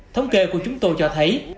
thống kê của chúng tôi cho thấy